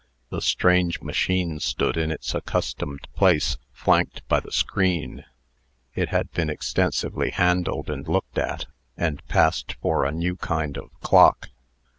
The strange machine stood in its accustomed place, flanked by the screen. It had been extensively handled and looked at, and passed for a new kind of clock.